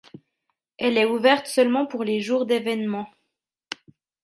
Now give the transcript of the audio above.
Elle est ouverte seulement pour les jours d'événements.